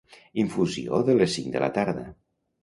Infusió de les cinc de la tarda.